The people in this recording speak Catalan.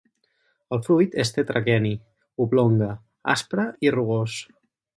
El fruit és tetraqueni, oblonga, aspre i rugós.